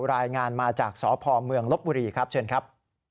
รายงานมาจากสพเมืองลบบุรีครับเชิญครับ